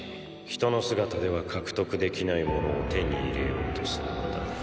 人の姿では獲得できないものを手に入れようとするのだな。